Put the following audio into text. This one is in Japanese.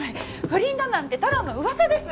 不倫だなんてただの噂です！